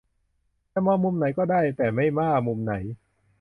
จะมองมุมไหนก็ได้ แต่ไม่ว่ามุมไหน